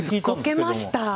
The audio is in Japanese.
こけました。